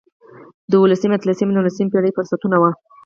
دا د اولسمې، اتلسمې او نولسمې پېړیو فرصتونه وو.